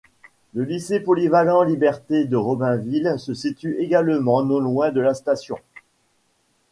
Le lycée polyvalent Liberté de Romainville se situe également non loin de la station.